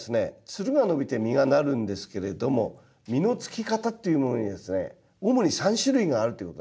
つるが伸びて実がなるんですけれども実のつき方っていうものにはですね主に３種類があるということなんですね。